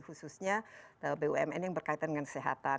khususnya bumn yang berkaitan dengan kesehatan